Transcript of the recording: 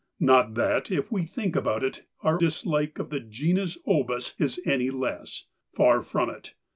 Not that, if we think about it, our dislike of the genus obus is any less — far from it.